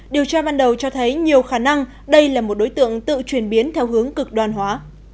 điều tra ban đầu cho thấy nhiều khả năng đây là một đối tượng tự chuyển biến theo hướng cực đoan hóa